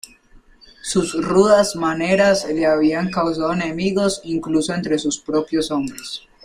Sus rudas maneras le habían causado enemigos incluso entre sus propios hombres.